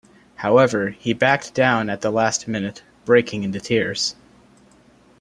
However, he backed down at the last minute, breaking into tears.